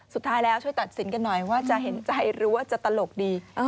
สุดท้ายแล้วช่วยตัดสินกันหน่อยว่าจะเห็นใจหรือว่าจะตลกดี